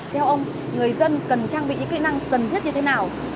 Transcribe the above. theo ông người dân cần trang bị những kỹ năng cần thiết như thế nào